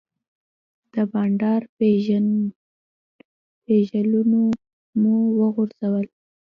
د بانډار پیژلونه مو وغوړول.